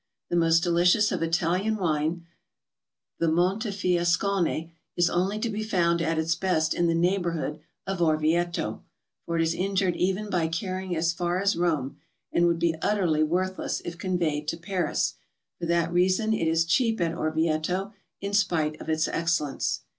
The most delicious of Italian wine, the Monte fiascone, is only to be found at its best in the neighbodiood of Orvieto, for it is injured even by carrying as far as Rome, and would be utterly worthless if conveyed to Paris; for that reason it is cheap at Orvieto, in spite of its excel lence.